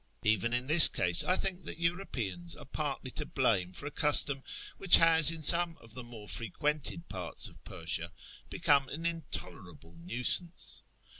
Even in this case I think that EurojDeans are partly to blame for a custom which has, in some of the more frequented parts of Persia, become an intolerable nuisance.